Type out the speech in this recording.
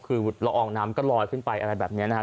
คือละอองน้ำก็ลอยขึ้นไปอะไรแบบนี้นะครับ